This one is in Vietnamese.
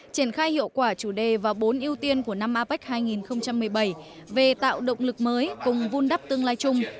triển khai hiệu quả chủ đề và bốn ưu tiên của năm apec hai nghìn một mươi bảy về tạo động lực mới cùng vun đắp tương lai chung